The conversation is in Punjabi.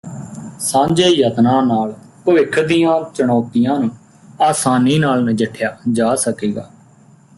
ਸਾਂਝੇ ਯਤਨਾਂ ਨਾਲ ਭਵਿੱਖ ਦੀਆਂ ਚੁਣੌਤੀਆਂ ਨੂੰ ਅਸਾਨੀ ਨਾਲ ਨਜਿੱਠਿਆ ਜਾ ਸਕੇਗਾ